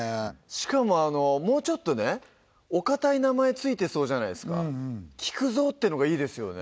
しかももうちょっとお堅い名前ついてそうじゃないですか聴くゾウってのがいいですよね